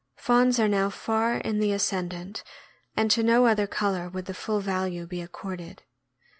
Fawns are now far in the ascend ant, and to no other color would the full value be accorded.